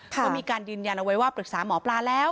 ก็มีการยืนยันเอาไว้ว่าปรึกษาหมอปลาแล้ว